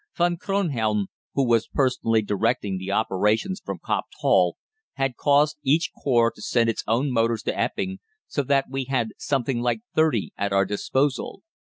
Von Kronhelm, who was personally directing the operations from Copped Hall, had caused each Corps to send its own motors to Epping, so that we had something like thirty at our disposal.